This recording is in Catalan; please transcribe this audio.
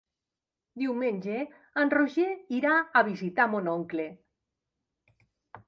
Diumenge en Roger irà a visitar mon oncle.